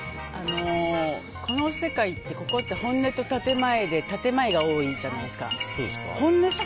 この世界って、ここって本音と建前で建前が多いじゃないですか。